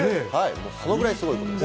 そのぐらいすごいです。